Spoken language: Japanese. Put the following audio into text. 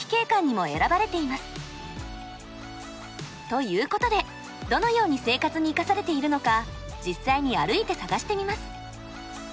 ということでどのように生活に生かされているのか実際に歩いて探してみます。